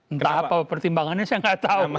entah apa pertimbangannya saya nggak tahu